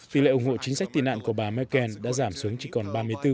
tỷ lệ ủng hộ chính sách tị nạn của bà merkel đã giảm xuống chỉ còn ba mươi bốn